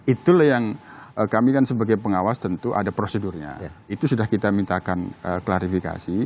itulah yang kami kan sebagai pengawas tentu ada prosedurnya itu sudah kita mintakan klarifikasi